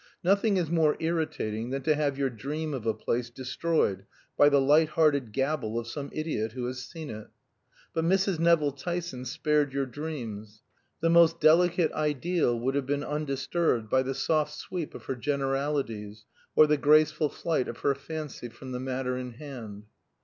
Nothing is more irritating than to have your dream of a place destroyed by the light hearted gabble of some idiot who has seen it; but Mrs. Nevill Tyson spared your dreams. The most delicate ideal would have been undisturbed by the soft sweep of her generalities, or the graceful flight of her fancy from the matter in hand.